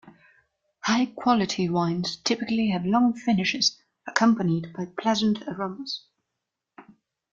High quality wines typically have long finishes accompanied by pleasant aromas.